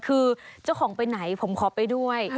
คือเจ้าของไปไหนผมขอไปด้วย